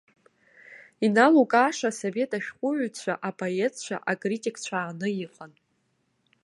Иналукааша асовет шәҟәыҩҩцәа, апоетцәа, акритикцәа ааны иҟан.